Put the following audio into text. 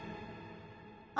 あ！